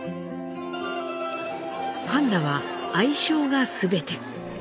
パンダは相性が全て。